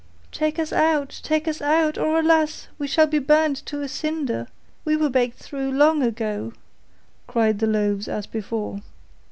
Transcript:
'Take us out, take us out, or alas! we shall be burnt to a cinder; we were baked through long ago,' cried the loaves as before.